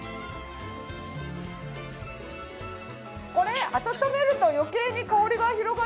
これ温めると余計に香りが広がっていい！